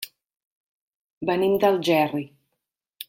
Venim d'Algerri.